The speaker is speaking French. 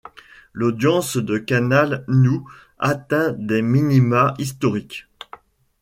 L'audience de Canal Nou atteint des minima historiques.